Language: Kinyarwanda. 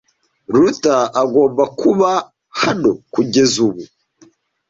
Ruta agomba kuba hano kugeza ubu.